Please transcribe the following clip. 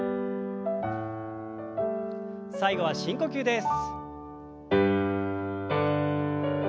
最後は深呼吸です。